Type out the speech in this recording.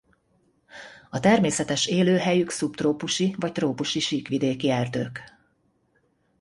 A természetes élőhelyük szubtrópusi vagy trópusi síkvidéki erdők.